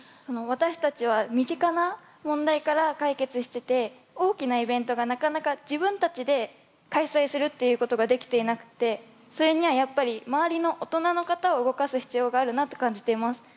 私たちは身近な問題から解決してて大きなイベントがなかなか自分たちで開催するっていうことができていなくてそれにはやっぱり周りの大人の方を動かす必要があるなって感じています。